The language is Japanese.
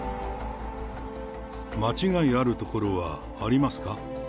間違いあるところはありますか。